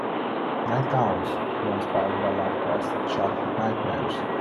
Nightgaunts were inspired by Lovecraft's childhood nightmares.